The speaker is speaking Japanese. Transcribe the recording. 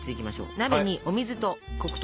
鍋にお水と黒糖。